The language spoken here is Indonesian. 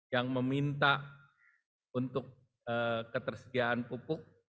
yang meminta untuk ketersediaan pupuk